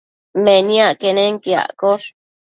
Meniac quenenquiaccosh